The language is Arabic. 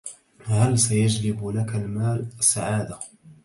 هل سيجلب لك المال السعادة?